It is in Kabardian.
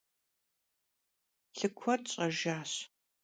Lhı kued ş'ejjaş